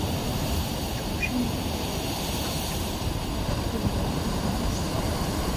出生于罗德岛州普罗维登斯。